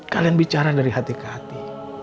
kalian bicara dari hati ke hati